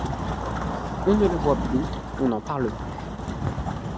On ne le voit plus, on n'en parle plus.